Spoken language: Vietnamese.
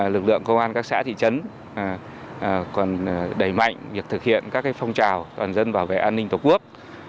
lực lượng công an các xã thị trấn còn đẩy mạnh việc thực hiện các phong trào toàn dân bảo vệ an ninh tổ quốc